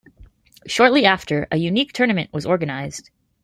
Shortly after, a unique tournament was organized.